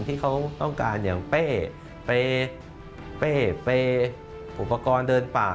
ที่เขาต้องการอย่างเป๊ะอุปกรณ์เดินป่า